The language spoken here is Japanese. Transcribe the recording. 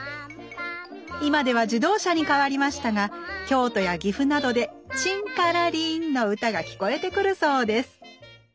今では自動車に代わりましたが京都や岐阜などで「チンカラリン」の歌が聞こえてくるそうです